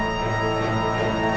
yang terdekat mas yang terdekat dimana